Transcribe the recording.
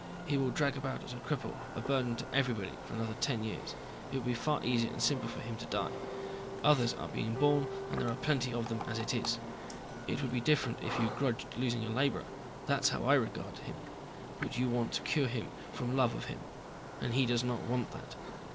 He will drag about as a cripple, a burden to everybody, for another ten years. It would be far easier and simpler for him to die. Others are being born and there are plenty of them as it is. It would be different if you grudged losing a laborer—that's how I regard him—but you want to cure him from love of him. And he does not want that.